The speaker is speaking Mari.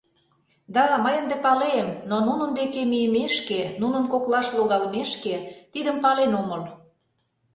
— Да, мый ынде палем, но нунын деке мийымешке, нунын коклаш логалмешке тидым пален омыл.